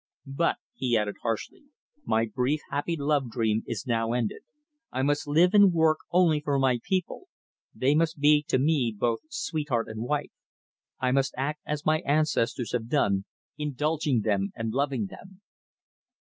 But," he added, harshly, "my brief happy love dream is now ended. I must live and work only for my people; they must be to me both sweetheart and wife. I must act as my ancestors have done, indulging them and loving them."